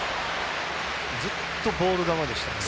ずっとボール球でしたね。